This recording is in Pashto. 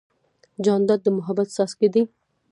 جانداد د محبت څاڅکی دی.